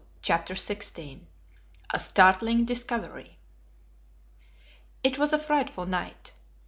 CHAPTER XVI A STARTLING DISCOVERY IT was a frightful night.